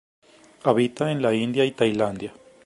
Habita en la India y Tailandia.